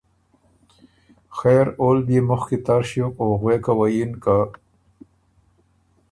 خېر اول بيې مُخکی تر ݭیوک او غوېکَوَیِن که:ـ